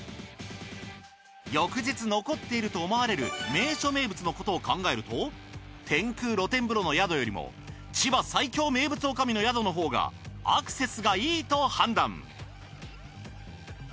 翌日残っていると思われる名所名物のことを考えると天空露天風呂の宿よりも千葉最強名物女将の宿の方がアクセスがいいと判断。